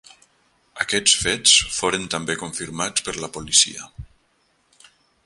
Aquests fets foren també confirmats per la policia.